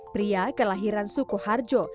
pria kelahiran sukuharjo